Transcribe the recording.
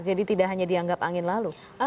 jadi tidak hanya dianggap angin lalu